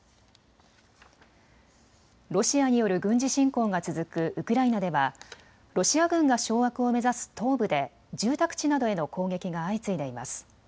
ロシアによる軍事侵攻が続くウクライナではロシア軍が掌握を目指す東部で住宅地などへの攻撃が相次いでいます。